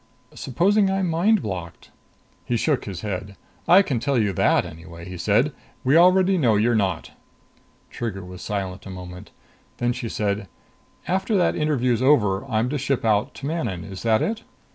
"Supposing I'm mind blocked." He shook his head. "I can tell you that, anyway," he said. "We already know you're not." Trigger was silent a moment. Then she said, "After that interview's over, I'm to ship out to Manon is that it?"